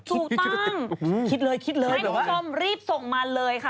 ถูกต้องคิดเลยให้ผู้ชมรีบส่งมาเลยค่ะ